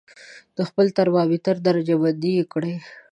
د خپل ترمامتر درجه بندي یې کړئ.